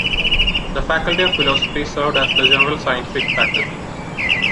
The Faculty of Philosophy served as the general scientific faculty.